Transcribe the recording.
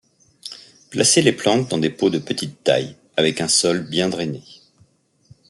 Placer les plantes dans des pots de petite taille avec un sol bien drainé.